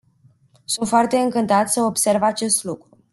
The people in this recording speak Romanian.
Sunt foarte încântat să observ acest lucru.